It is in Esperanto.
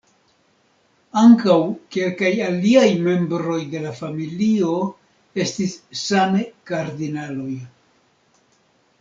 Ankaŭ kelkaj aliaj membroj de la familio estis same kardinaloj.